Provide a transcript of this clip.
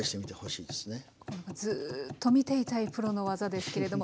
ずっと見ていたいプロの技ですけれども。